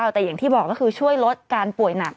แต่อย่างที่บอกก็คือช่วยลดการป่วยหนัก